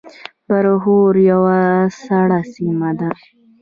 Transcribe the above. برښور یوه سړه سیمه ده